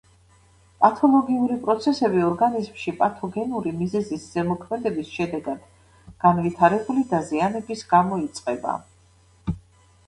პათოლოგიური პროცესები ორგანიზმში პათოგენური მიზეზის ზემოქმედების შედეგად განვითარებული დაზიანების გამო იწყება.